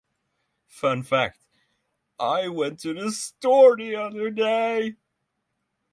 Fun fact: I went to the store the other day.